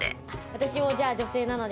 私もじゃあ女性なので。